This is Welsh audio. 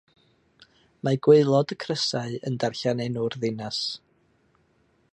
Mae gwaelod y crysau yn darllen enw'r ddinas.